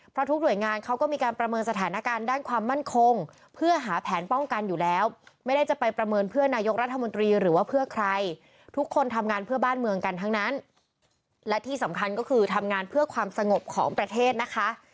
เพราะทุกหน่วยงานเขาก็มีการประเมินสถานการณ์ด้านความมั่นคงเพื่อหาแผนป้องกันอยู่แล้วไม่ได้จะไปประเมินเพื่อนนายกรัฐมนตรีหรือว่าเพื่อใครทุกคนทำงานเพื่อบ้านเมืองกันทั้งนั้นและที่สำคัญก็คือทำงานเพื่อความสงบของประเทศนะคะ